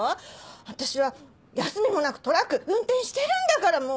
私は休みもなくトラック運転してるんだからもう。